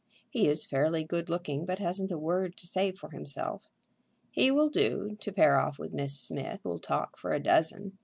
He is fairly good looking, but hasn't a word to say for himself. He will do to pair off with Miss Smith, who'll talk for a dozen.